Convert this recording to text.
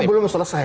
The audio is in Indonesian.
itu belum selesai